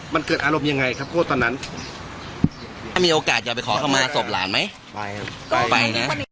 มันเกิดอารมณ์ยังไงครับโคตรตอนนั้นมีโอกาสจะไปขอข้อมาสบหลานไหมไป